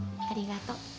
ありがとう。